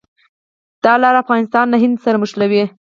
دا لار افغانستان له هند سره نښلوي.